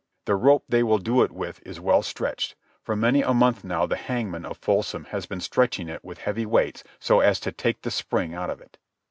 The rope they will do it with is well stretched. For many a month now the hangman of Folsom has been stretching it with heavy weights so as to take the spring out of it.